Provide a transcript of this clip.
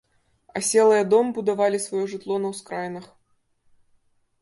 Аселыя дом будавалі сваё жытло на ўскраінах.